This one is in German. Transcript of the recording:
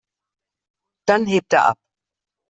Dann hebt er ab.